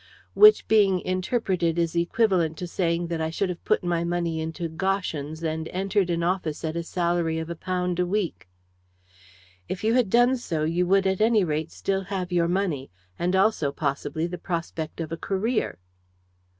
"Which being interpreted is equivalent to saying that I should have put my money into Goschens, and entered an office at a salary of a pound a week." "If you had done so you would at any rate still have your money, and also, possibly, the prospect of a career."